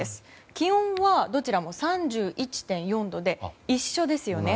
気温はどちらも３１．４度で一緒ですよね。